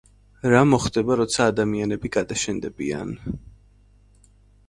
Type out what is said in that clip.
რა მოხდება როცა ადამიანები გადაშენდებიან?